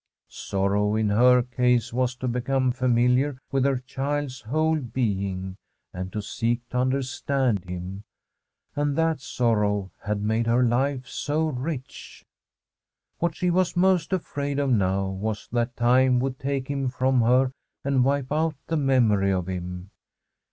Sorrow in her case was to become familiar with her child's whole being, and to seek to understand him. And that sorrow had made her life so rich. What she was most afraid of now was that time would take him from her and wipe out the mem ory of him.